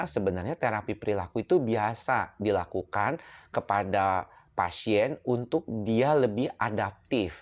sebenarnya terapi perilaku itu biasa dilakukan kepada pasien untuk dia lebih adaptif